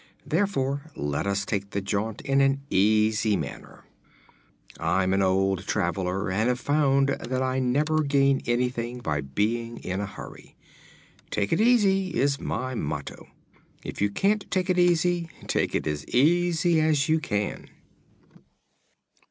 Therefore let us take the jaunt in an easy manner. I'm an old traveler and have found that I never gain anything by being in a hurry. 'Take it easy' is my motto. If you can't take it easy, take it as easy as you can."